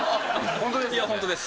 ホントです。